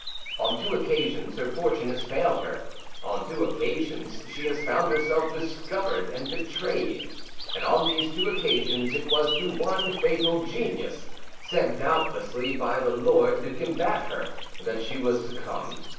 On two occasions her fortune has failed her, on two occasions she has found herself discovered and betrayed; and on these two occasions it was to one fatal genius, sent doubtlessly by the Lord to combat her, that she has succumbed.